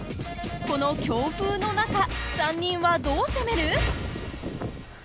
この強風の中３人はどう攻める？